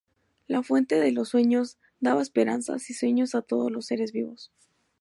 La Fuente de los Sueños daba esperanzas y sueños a todos los seres vivos.